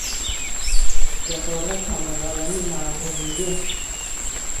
Jasorat - kambag'allarning mag'rurligi